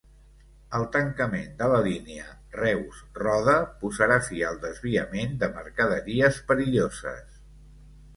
El tancament de la línia Reus-Roda posarà fi al desviament de mercaderies perilloses.